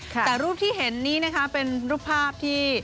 แต่รูปที่เห็นนี้นะคะเป็นรูปภาพที่